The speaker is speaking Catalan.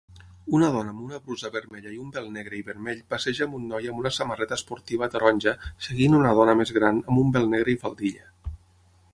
Una dona amb una brusa vermella i un vel negre i vermell passeja amb un noi amb una samarreta esportiva taronja seguint una dona més gran amb un vel negre i faldilla